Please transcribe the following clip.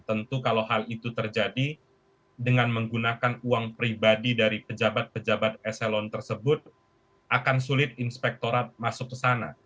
tentu kalau hal itu terjadi dengan menggunakan uang pribadi dari pejabat pejabat eselon tersebut akan sulit inspektorat masuk ke sana